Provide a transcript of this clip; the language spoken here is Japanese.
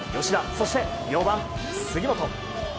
そして４番、杉本。